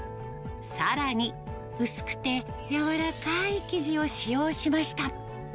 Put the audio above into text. さらに、薄くて柔らかい生地を使用しました。